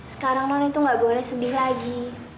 sekarang non itu gak boleh sedih lagi